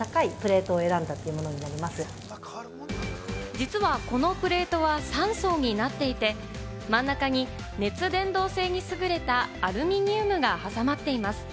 実はこのプレートは３層になっていて、真ん中に熱伝導性に優れたアルミニウムが挟まっています。